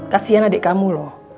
kasian adik kamu loh